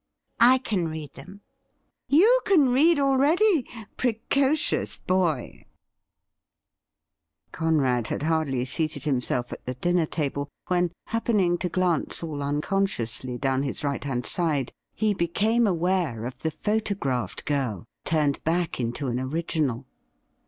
' I can read them ""' You can read already ! Precocious boy 1' CLELIA VINE 53 Conrad had hardly seated himself at the dinner table, when, happening to glance all unconsciously down his right hand side, he became aware of the photographed girl turned back into an original.